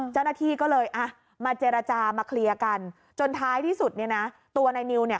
เจ้าหน้าที่ก็เลยอ่ะมาเจรจามาเคลียร์กันจนท้ายที่สุดเนี่ยนะตัวนายนิวเนี่ย